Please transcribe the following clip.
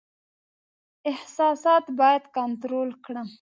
احساسات باید کنټرول کړم.